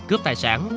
cướp tài sản